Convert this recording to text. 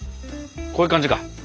こういう感じか。